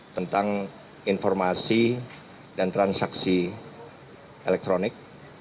tentang informasi dan transaksi elektronik